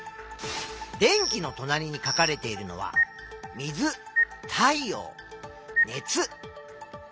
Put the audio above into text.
電気のとなりに書かれているのは「水」「太陽」「熱」「風」。